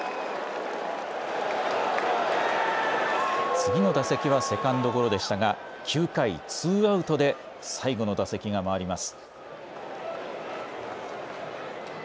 次の打席はセカンドゴロでしたが９回ツーアウトで最後の打席が回ります。